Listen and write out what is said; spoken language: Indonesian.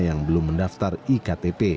yang belum mendaftar iktp